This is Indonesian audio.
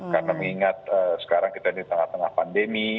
karena mengingat sekarang kita di tengah tengah pandemi